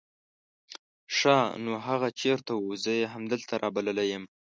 ښا نو هغه چېرته وو؟ زه يې همدلته رابللی يم.